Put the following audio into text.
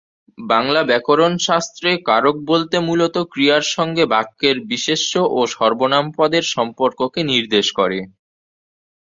বাংলা ব্যাকরণ শাস্ত্রে, কারক বলতে মূলত ক্রিয়ার সঙ্গে বাক্যের বিশেষ্য ও সর্বনাম পদের সম্পর্ককে নির্দেশ করে।